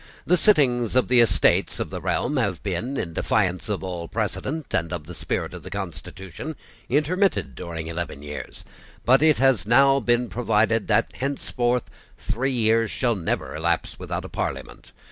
The sittings of the Estates of the realm have been, in defiance of all precedent and of the spirit of the constitution, intermitted during eleven years; but it has now been provided that henceforth three years shall never elapse without a Parliament.